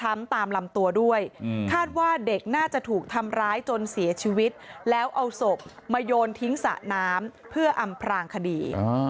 มาโยนทิ้งสะน้ำเพื่ออำพรางคดี